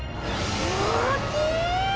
おおきい！